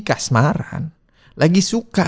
kasmaran lagi suka